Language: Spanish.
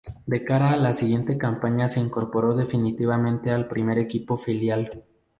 De cara a la siguiente campaña se incorporó definitivamente al primer equipo filial.